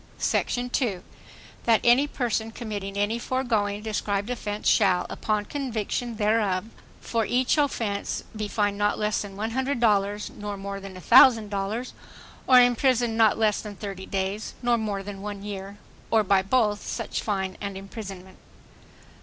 Sec. 2. That any person committing any foregoing described offense shall, upon conviction thereof, for each offense be fined not less than $100 nor more than $1,000 or imprisoned not less than thirty days nor more than one year, or by both such fine and imprisonment.